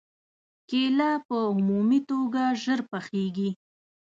کېله په عمومي توګه ژر پخېږي.